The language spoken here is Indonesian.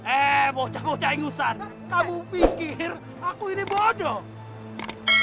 ee bocah bocah ingusan kamu pikir aku ini bodoh